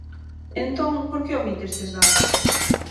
Entón, ¿por que omite estes datos?